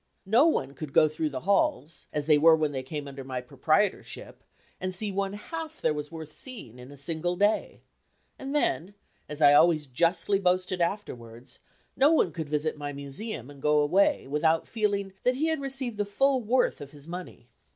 No one could go through the halls, as they were when they came under my proprietorship, and see one half there was worth seeing in a single day; and then, as I always justly boasted afterwards, no one could visit my Museum and go away without feeling that he had received the full worth of his money.